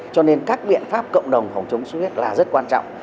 cho nên các biện pháp cộng đồng phòng chống xuất huyết là rất quan trọng